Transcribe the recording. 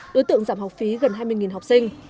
đối tượng giảm học phí gần hai mươi học sinh